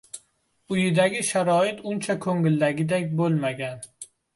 Uyidagi sharoit uncha ko’ngildagidek bo’lmagan